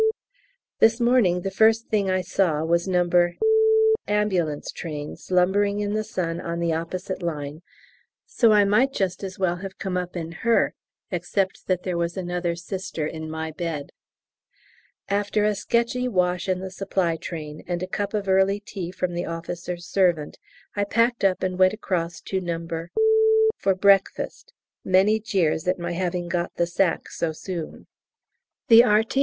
This morning the first thing I saw was No. A.T. slumbering in the sun on the opposite line, so I might just as well have come up in her, except that there was another Sister in my bed. After a sketchy wash in the supply train, and a cup of early tea from the officer's servant, I packed up and went across to No. for breakfast; many jeers at my having got the sack so soon. The R.T.O.